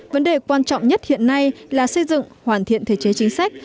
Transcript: vấn đề quan trọng nhất hiện nay là xây dựng hoàn thiện thể chế chính sách